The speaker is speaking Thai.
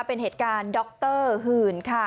เป็นเหตุการณ์ด็อกเตอร์หื่นค่ะ